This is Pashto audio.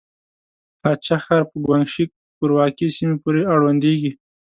هه چه ښار په ګوانګ شي کورواکې سيمې پورې اړونديږي.